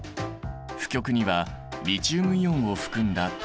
負極にはリチウムイオンを含んだ炭素。